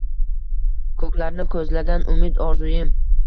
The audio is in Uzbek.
Ko‘klarni ko‘zlagan umid-orzuyim